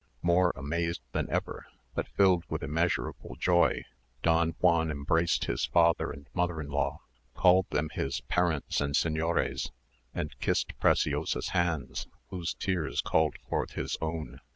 More amazed than ever, but filled with immeasurable joy, Don Juan embraced his father and mother in law, called them his parents and señores, and kissed Preciosa's hands, whose tears called forth his own.